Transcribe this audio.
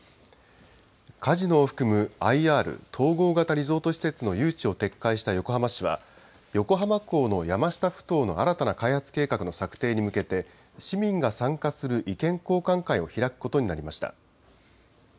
カジノを含むＩＲ・統合型リゾート施設の誘致を撤回した横浜市は、横浜港の山下ふ頭の新たな開発計画の策定に向けて、市民が参加する意見交換会を開くことになりました。